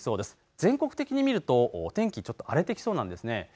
全国的に見ると、お天気ちょっと荒れてきそうなんですね。